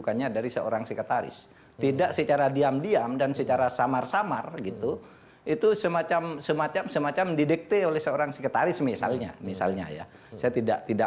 ketika anda menjadi ketua mk saat itu